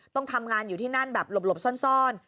ต้องทำงานอยู่ที่นั่นแบบหลบซ่อน